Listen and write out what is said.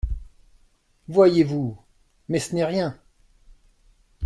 Voyez-vous ! Mais ce n'est rien.